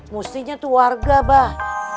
mestinya tuh warga bah